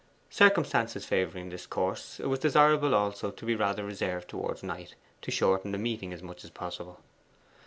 Circumstances favouring this course, it was desirable also to be rather reserved towards Knight, to shorten the meeting as much as possible.